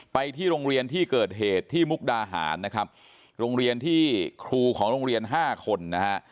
ไปที่โรงเรียนที่เกิดเหตุที่มุกดาหารนะครับโรงเรียนที่ครูของโรงเรียนห้าคนนะฮะ